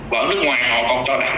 và ở nước ngoài họ còn cho đảng